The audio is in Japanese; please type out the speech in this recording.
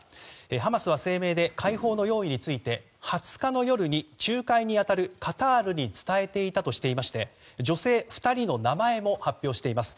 ハマスは声明で解放の用意について２０日の夜に仲介に当たるカタールに伝えていたとされていまして女性２人の名前も発表しています。